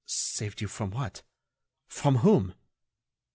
"Saved you from what? From whom?"